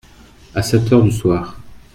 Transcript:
À sept heures du soir.